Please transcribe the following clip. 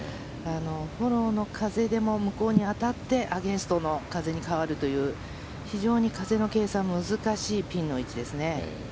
フォローの風でも向こうに当たってアゲンストの風に変わるという非常に風の計算が難しいピンの位置ですね。